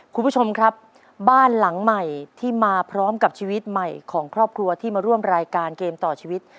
คุณผู้ชมครับบ้านหลังใหม่ที่มาพร้อมกับชีวิตใหม่ของครอบครัวที่มาร่วมรายการเกมต่อชีวิต